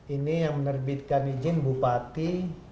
ini yang menerbitkan izin bupati